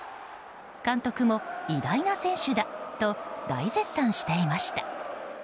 監督も、偉大な選手だと大絶賛していました。